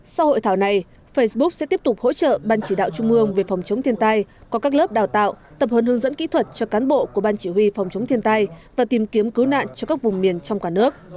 sau hội thảo này facebook sẽ tiếp tục hỗ trợ ban chỉ đạo trung ương về phòng chống thiên tai có các lớp đào tạo tập hướng hướng dẫn kỹ thuật cho cán bộ của ban chỉ huy phòng chống thiên tai và tìm kiếm cứu nạn cho các vùng miền trong cả nước